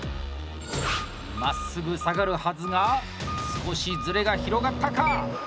まっすぐ下がるはずが少しズレが広がったか！？